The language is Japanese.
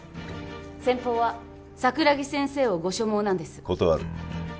先方は桜木先生をご所望なんです断る